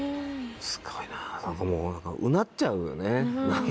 すごいな何かもううなっちゃうよね。